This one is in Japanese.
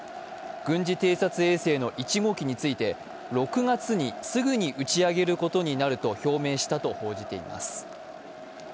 軍事偵察衛星の１号機について６月にすぐに打ち上げることになると表明したと報じています。